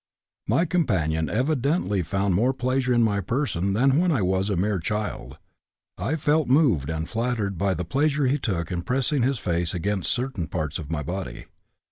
My companion evidently found more pleasure in my person than when I was a mere child; I felt moved and flattered by the pleasure he took in pressing his face against certain parts of my body.